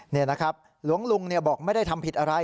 นี่นะครับหลวงลุงบอกไม่ได้ทำผิดอะไร